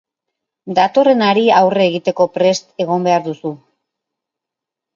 Datorrenari aurre egiteko prest egon behar duzu.